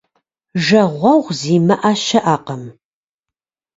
Жагъуэгъу зимыӏэ щыӏэкъым.